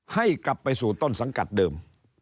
ให้กลับไปสู่ต้นสังกัดเดิม